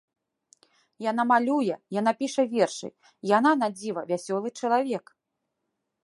Яна малюе, яна піша вершы, яна надзіва вясёлы чалавек.